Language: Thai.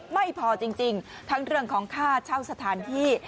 ไม่พอจริงทั้งเรื่องของค่าเช่าสถานที่